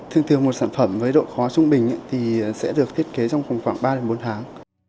thường thường một sản phẩm với độ khó trung bình thì sẽ được thiết kế trong khoảng ba bốn tháng